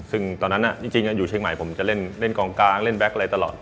ซึ่งตอนนั้นจริงอยู่เชียงใหม่ผมจะเล่นกองกลางเล่นแก๊กอะไรตลอด